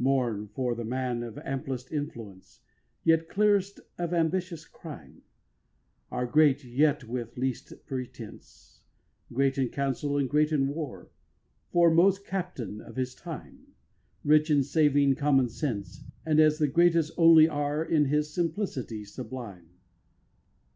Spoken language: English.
Mourn for the man of amplest influence, Yet clearest of ambitious crime, Our greatest yet with least pretence, Great in council and great in war, Foremost captain of his time, Rich in saving common sense, And, as the greatest only are, In his simplicity sublime.